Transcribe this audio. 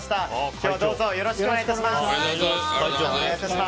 今日は、どうぞよろしくお願いいたします。